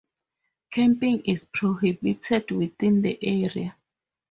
Camping is prohibited within the area.